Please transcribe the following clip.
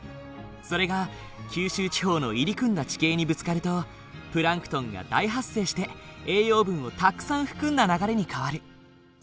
それが九州地方の入り組んだ地形にぶつかるとプランクトンが大発生して栄養分をたくさん含んだ流れに変わる。